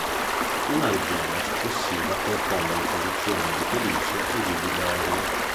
Una leggenda successiva confonde le posizioni di Felice e di Liberio.